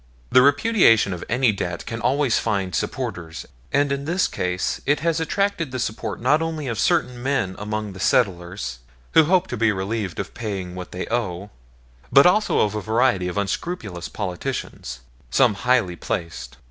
The repudiation of any debt can always find supporters, and in this case it has attracted the support not only of certain men among the settlers who hope to be relieved of paying what they owe, but also of a variety of unscrupulous politicians, some highly placed.